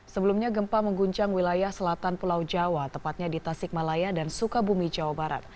sebelumnya gempa mengguncang wilayah selatan pulau jawa tepatnya di tasikmalaya dan sukabumi jawa barat